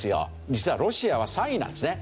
実はロシアは３位なんですね。